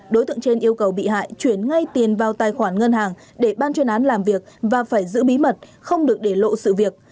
đối tượng trên yêu cầu bị hại chuyển ngay tiền vào tài khoản ngân hàng để ban chuyên án làm việc và phải giữ bí mật không được để lộ sự việc